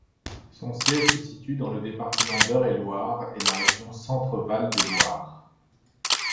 Son siège se situe dans le département d'Eure-et-Loir et la région Centre-Val de Loire.